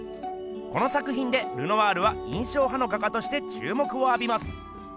この作ひんでルノワールは印象派の画家としてちゅうもくをあびます。